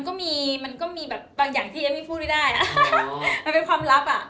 พูดไม่ได้อ่ะมันเป็นความลับอ่ะ